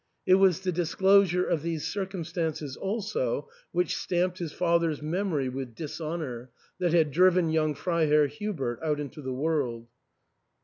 It was the disclosure of these circumstances, also, which stamped his father's memory with dishonour, that had driven young Frei herr Hubert out into the world.